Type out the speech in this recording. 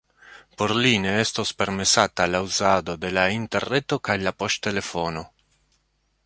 Por li ne estos permesata la uzado de la interreto kaj la poŝtelefono.